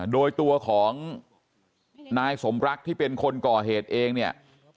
โดยตัวของนายสมรักที่เป็นคนก่อเหตุเองเนี่ย